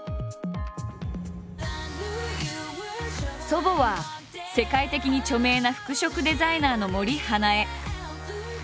祖母は世界的に著名な服飾デザイナーの森英恵。